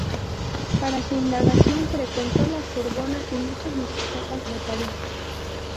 Para su indagación, frecuentó la Sorbona y muchas bibliotecas de París.